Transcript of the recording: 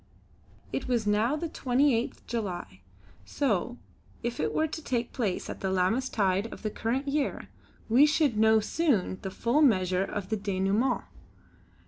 It was now the 28th July so, if it were to take place at the Lammas tide of the current year, we should know soon the full measure of the denouêment.